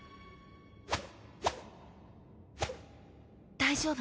大丈夫？